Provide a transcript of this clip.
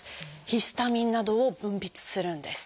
「ヒスタミン」などを分泌するんです。